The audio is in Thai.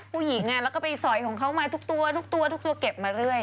ผู้หญิงนะแล้วก็มาไปแสบของเขามาทุกตัวเก็บมาเรื่อย